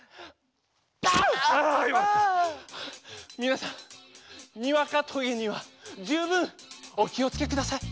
みなさんにわかとげにはじゅうぶんおきをつけください。